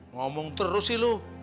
ngomong terus sih lo